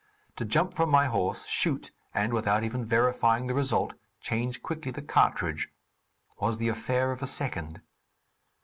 To jump from my horse, shoot, and, without even verifying the result, change quickly the cartridge, was the affair of a second.